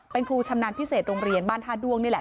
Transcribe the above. เป็นครูชำนาญพิเศษโรงเรียนบ้านท่าด้วงนี่แหละ